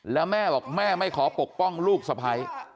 แล้วแม่บอกแม่ไม่ขอปกป้องลูกสะพ้าย